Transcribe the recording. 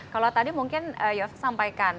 kalau tadi mungkin yofi sampaikan